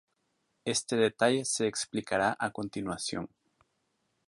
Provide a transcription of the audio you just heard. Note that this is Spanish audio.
Este detalle se explicará a continuación.